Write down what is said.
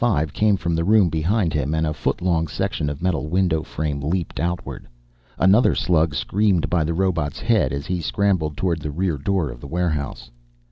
75 came from the room behind him and a foot long section of metal window frame leaped outward. Another slug screamed by the robot's head as he scrambled toward the rear door of the warehouse.